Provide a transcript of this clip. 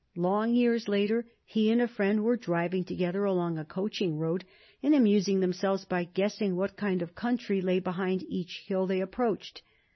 Long years later he and a friend were driving together along a coaching road, and amusing themselves by guessing what kind of country lay behind each hill they approached.